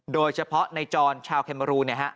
โดยเฉพาะในจอนชาวเคเมอรูเนี่ยฮะ